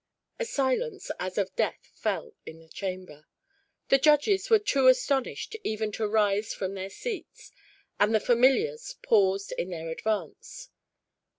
A silence as of death fell in the chamber. The judges were too astonished even to rise from their seats, and the familiars paused in their advance.